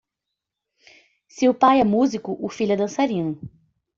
Se o pai é músico, o filho é dançarino.